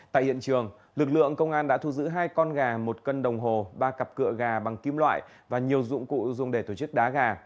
tại hiện trường lực lượng công an đã thu giữ hai con gà một cân đồng hồ ba cặp cựa gà bằng kim loại và nhiều dụng cụ dùng để tổ chức đá gà